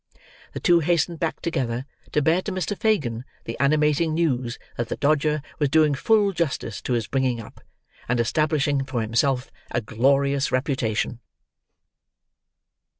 The two hastened back together, to bear to Mr. Fagin the animating news that the Dodger was doing full justice to his bringing up, and establishing for himself a glorious reputation.